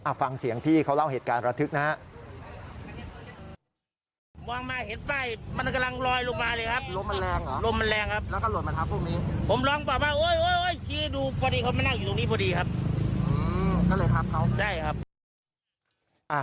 ฟังเสียงพี่เขาเล่าเหตุการณ์ระทึกนะฮะ